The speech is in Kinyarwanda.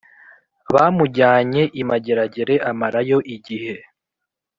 Bamujyanye imageragere amarayo igihe